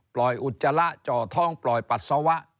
ปล่อยอุจจระเจาะท้องปล่อยปัสสาวะ